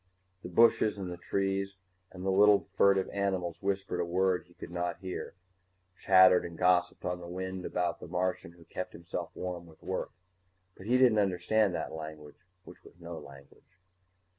_The bushes and the trees and the little furtive animals whispered a word he could not hear, chattered and gossiped on the wind about the Martian who kept himself warm with work. But he didn't understand that language which was no language.